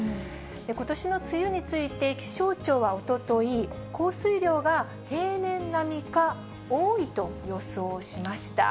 ことしの梅雨について、気象庁はおととい、降水量が平年並みか多いと予想しました。